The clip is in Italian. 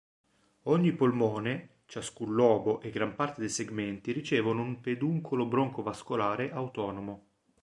Ogni polmone, ciascun lobo e gran parte dei segmenti ricevono un "peduncolo bronco-vascolare" autonomo.